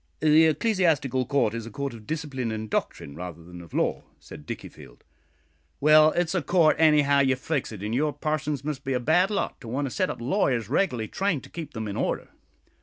"The Ecclesiastical Court is a court of discipline and doctrine rather than of law," said Dickiefield. "Well, it's a court anyhow you fix it; and your parsons must be a bad lot to want a set of lawyers reg'larly trained to keep them in order."